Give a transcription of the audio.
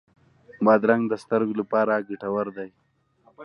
بادرنګ د سترګو لپاره ګټور دی.